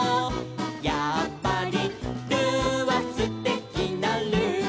「やっぱりルーはすてきなルー」